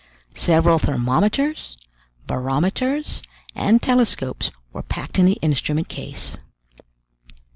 Several thermometers, barometers, and telescopes were packed in the instrument case.